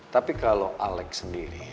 tapi kalau alec sendiri